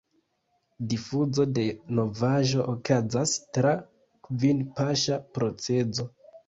Difuzo de novaĵo okazas tra kvin–paŝa procezo.